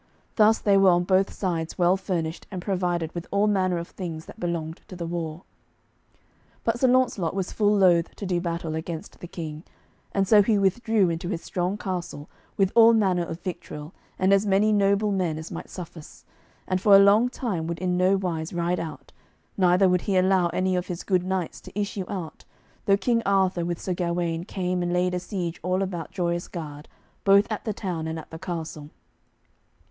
Thus they were on both sides well furnished and provided with all manner of things that belonged to the war. But Sir Launcelot was full loath to do battle against the King, and so he withdrew into his strong castle with all manner of victual and as many noble men as might suffice, and for a long time would in no wise ride out, neither would he allow any of his good knights to issue out, though King Arthur with Sir Gawaine came and laid a siege all about Joyous Gard, both at the town and at the castle.